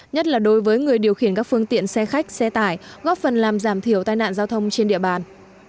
nhất là đối với người điều khiển các phương tiện xe khách xe tải góp phần làm giảm thiểu tai nạn giao thông trên địa bàn